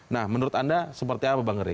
nah menurut anda seperti apa bang rey